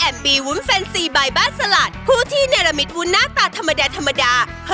แม่บ้านทาจันทร์บ้าน